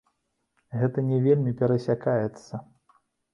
Гэта не вельмі перасякаецца.